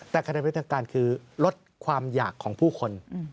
แต่คะแนนเป็นทางการคือลดความอยากของผู้คน